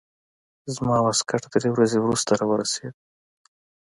زما واسکټ درې ورځې وروسته راورسېد.